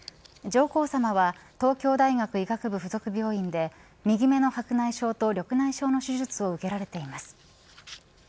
上皇さまは東京大学医学部付属病院で右目の白内障と緑内障の手術を受けられています。